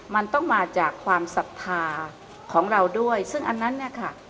มันต้องมาจากความศรัทธาของเราด้วยซึ่งอันนั้นเนี่ยค่ะ